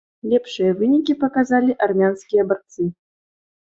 Лепшыя вынікі паказалі армянскія барцы.